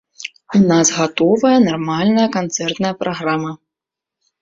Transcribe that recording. У нас гатовая нармальная канцэртная праграма.